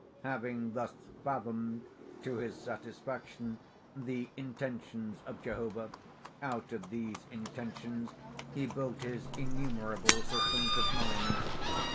Having thus fathomed, to his satisfaction, the intentions of Jehovah, out of these intentions he built his innumerable systems of mind.